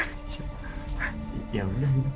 masih ada yang mau ngomongin